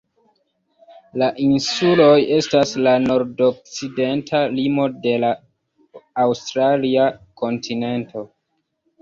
La insuloj estas la nordokcidenta limo de la aŭstralia kontinento.